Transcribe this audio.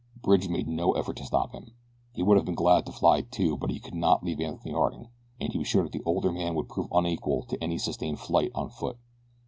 Bridge made no effort to stop him. He would have been glad to fly, too; but he could not leave Anthony Harding, and he was sure that the older man would prove unequal to any sustained flight on foot.